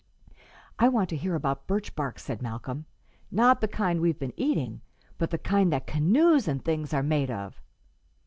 "I want to hear about birch bark," said Malcolm "not the kind we've been eating, but the kind that canoes and things are made of."